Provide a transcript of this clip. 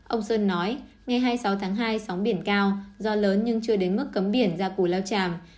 ông sơn nói ngày hai mươi sáu tháng hai sóng biển cao do lớn nhưng chưa đến mức cấm biển ra củ lao tràm